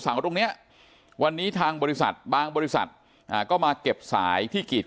ตรงเนี้ยวันนี้ทางบริษัทบางบริษัทก็มาเก็บสายที่กีด